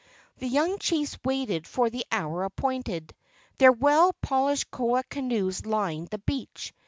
The young chiefs waited for the hour appointed. Their well polished koa canoes lined the beach.